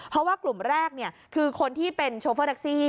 เพราะว่ากลุ่มแรกคือคนที่เป็นโชเฟอร์แท็กซี่